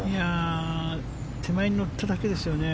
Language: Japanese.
手前に乗っただけですよね